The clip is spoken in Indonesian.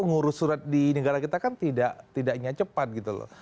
ngurus surat di negara kita kan tidaknya cepat gitu loh